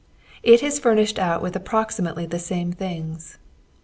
It is furnished out with approximately the same things.